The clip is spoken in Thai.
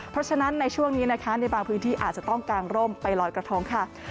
เพราะฉะนั้นในช่วงนี้นะคะในบางพื้นที่อาจจะต้องกางร่มไปลอยกระทงค่ะ